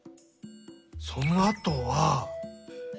そのあとは。